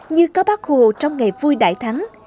như có bác hồ trong ngày vui đại thắng